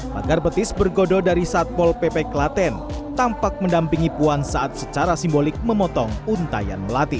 pagar petis bergodo dari satpol pp klaten tampak mendampingi puan saat secara simbolik memotong untayan melati